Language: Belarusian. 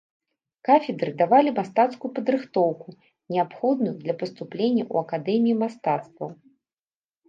Кафедры давалі мастацкую падрыхтоўку, неабходную для паступлення ў акадэміі мастацтваў.